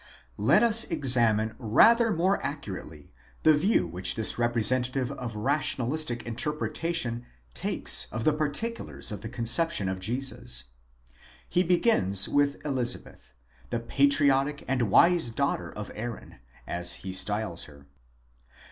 Let us examine rather more accurately the view which this representative of rationalistic interpretation takes of the particulars of the conception of Jesus. He begins with Elizabeth, the patriotic and wise daughter of Aaron, as he styles her.